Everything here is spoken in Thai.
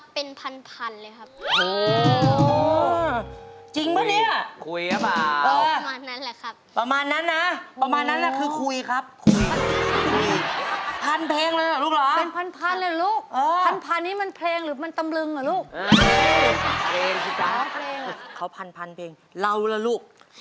ผมนะครับเป็นพันเลยครับ